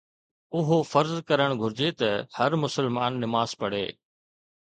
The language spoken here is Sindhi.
اهو فرض ڪرڻ گهرجي ته هر مسلمان نماز پڙهي.